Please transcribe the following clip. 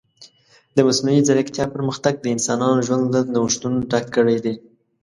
د مصنوعي ځیرکتیا پرمختګ د انسانانو ژوند له نوښتونو ډک کړی دی.